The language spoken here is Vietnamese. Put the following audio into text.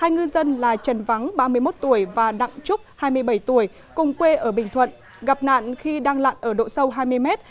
hai ngư dân là trần vắng ba mươi một tuổi và đặng trúc hai mươi bảy tuổi cùng quê ở bình thuận gặp nạn khi đang lặn ở độ sâu hai mươi mét